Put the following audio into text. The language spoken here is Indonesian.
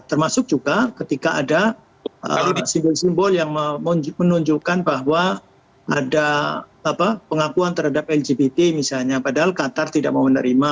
termasuk juga ketika ada simbol simbol yang menunjukkan bahwa ada pengakuan terhadap lgbt misalnya padahal qatar tidak mau menerima